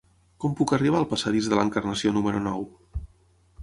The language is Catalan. Com puc arribar al passadís de l'Encarnació número nou?